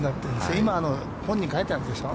今、本に書いてあるでしょう。